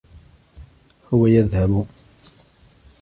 هو يذهب